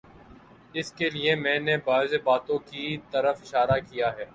اس کے لیے میں نے بعض باتوں کی طرف اشارہ کیا ہے۔